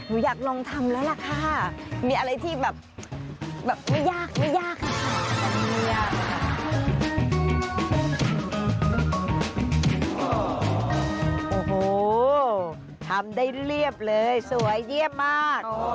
โอโฮทำได้เรียบเลยสวยเยี่ยมมาก